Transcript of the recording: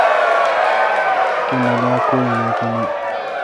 تو نالا کو این اؘ کو نہ۔